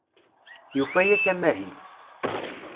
Yufa-ak amahil.